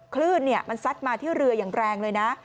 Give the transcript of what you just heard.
คลื่นมันซัดมาที่เรืออย่างแรงเลยนะ